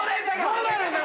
どうなるんだ？